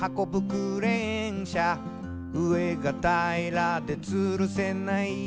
クレーン車」「上がたいらでつるせない」